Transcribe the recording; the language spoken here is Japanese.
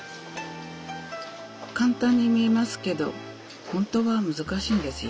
簡単に見えますけどほんとは難しいんですよ。